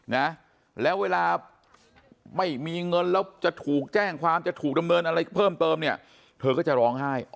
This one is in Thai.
นะแล้วเวลาไม่มีเงินแล้วจะถูกแจ้งความจะถูกดำเนินอะไรเพิ่มเติมเนี่ยเธอก็จะร้องไห้